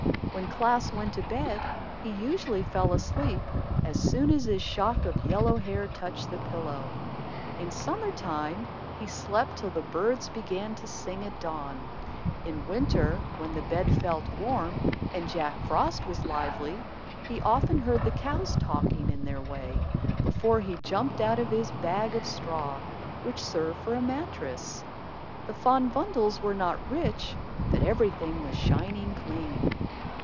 When Klaas went to bed he usually fell asleep as soon as his shock of yellow hair touched the pillow. In summer time he slept till the birds began to sing, at dawn. In winter, when the bed felt warm and Jack Frost was lively, he often heard the cows talking, in their way, before he jumped out of his bag of straw, which served for a mattress. The Van Bommels were not rich, but everything was shining clean.